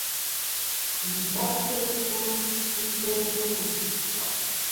Yi ba'tɨ ɨfwo ghɨ jæsɨ lu.